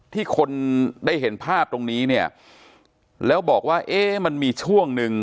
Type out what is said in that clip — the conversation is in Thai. ที่คนได้เห็นภาพตรงนี้เนี่ยแล้วบอกว่าเอ๊ะมันมีช่วงหนึ่ง